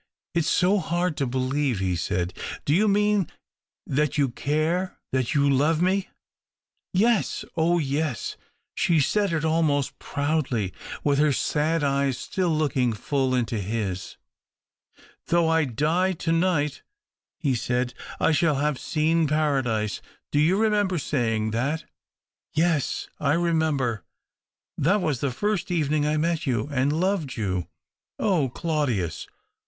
" It's so hard to believe," he said. " Do you mean that you care — that you love me ?"" Yes — oh yes !" She said it almost proudly, with her sad eyes still looking full into his. " Though I die to night," he said, " I shall have seen Paradise. Do you remember saying that ?"" Yes, I remember." "That was the first evening I met you and loved you." " Oh, Claudius